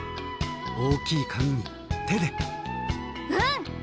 大きい紙に、うん。